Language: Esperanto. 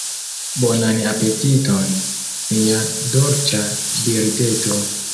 Bonan apetiton, mia dolĉa birdeto.